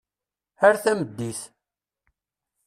Ar tameddit.